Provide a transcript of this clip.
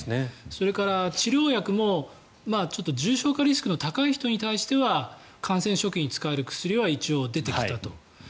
それから治療薬も重症化リスクの高い人に関しては感染初期に使える薬は一応、出てきたと。